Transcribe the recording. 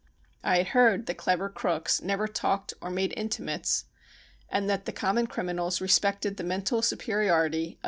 I had heard that clever crooks never talked or made intimates and that .he common criminals respected the mental superiority of